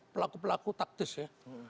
pelaku pelaku taktis ya